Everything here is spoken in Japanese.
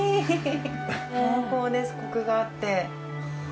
濃厚ですこくがあって。